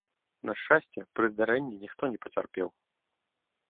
На шчасце, пры здарэнні ніхто не пацярпеў.